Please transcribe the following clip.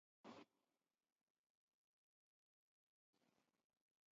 His reign was short.